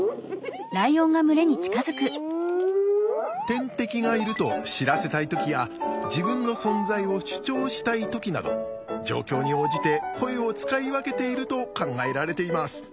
天敵がいると知らせたい時や自分の存在を主張したい時など状況に応じて声を使い分けていると考えられています。